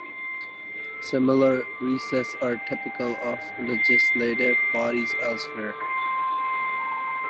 Similar recesses are typical of legislative bodies elsewhere.